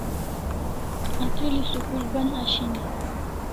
Atril'i school band ashini